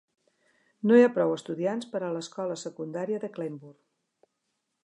No hi ha prou estudiants per a l'escola secundària de Kleinburg.